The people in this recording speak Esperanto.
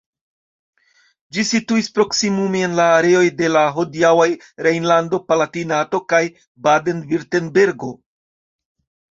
Ĝi situis proksimume en la areoj de la hodiaŭaj Rejnlando-Palatinato kaj Baden-Virtembergo.